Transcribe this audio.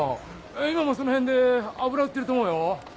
今もその辺で油売ってると思うよ。